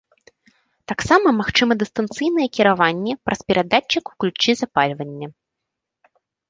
Таксама магчыма дыстанцыйнае кіраванне праз перадатчык у ключы запальвання.